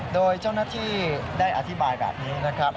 โดยเจ้าหน้าที่ได้อธิบายแบบนี้นะครับ